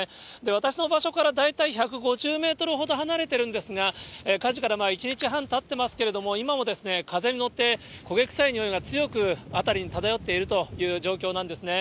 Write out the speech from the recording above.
私の場所から大体１５０メートルほど離れてるんですが、火事から１日半たってますけれども、今も風に乗って、焦げ臭いにおいが強く辺りに漂っているという状況なんですね。